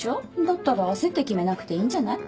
だったら焦って決めなくていいんじゃない？